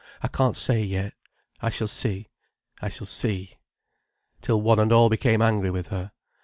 I can't say yet. I shall see. I shall see." Till one and all became angry with her.